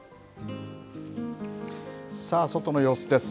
さあ外の様子です。